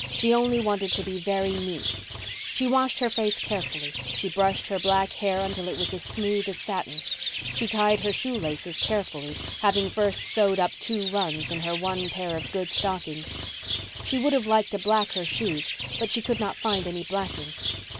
She only wanted to be very neat. She washed her face carefully. She brushed her black hair until it was as smooth as satin. She tied her shoelaces carefully, having first sewed up two runs in her one pair of good stockings. She would have liked to black her shoes, but she could not find any blacking.